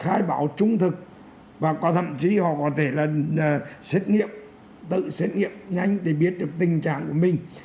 khai báo trung thực và có thậm chí họ có thể là xét nghiệm tự xét nghiệm nhanh để biết được tình trạng của mình